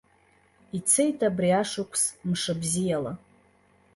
Ицеит абри ашықәс мшыбзиала.